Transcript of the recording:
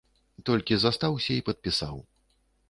Толькі застаўся і падпісаў.